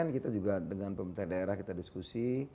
kita juga dengan pemerintah daerah kita diskusi